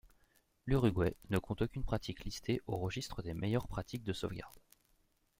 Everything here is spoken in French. L'Uruguay ne compte aucune pratique listée au registre des meilleures pratiques de sauvegarde.